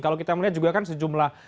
kalau kita melihat juga kan sejumlah